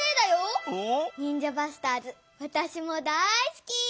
「ニンジャ・バスターズ」わたしもだいすき。